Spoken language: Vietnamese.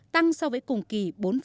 tăng so với cùng kỳ bốn bảy mươi hai